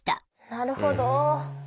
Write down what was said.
なるほど。